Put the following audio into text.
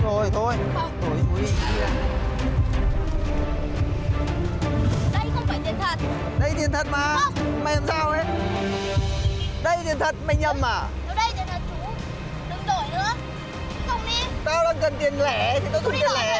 thôi thôi không sao không sao